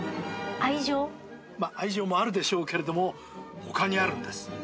まっ愛情もあるでしょうけれども他にあるんです。